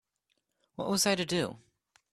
What was I to do?